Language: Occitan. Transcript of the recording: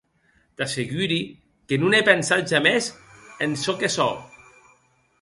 T'asseguri que non è pensat jamès en çò que sò.